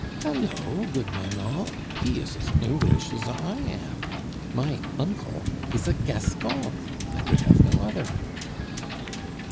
"Hallo, good men all, he is as English as I am! My uncle is a Gascon! I could have no other!"